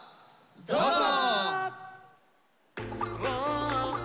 どうぞ！